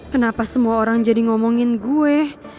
kenapa semua orang jadi ngomongin gue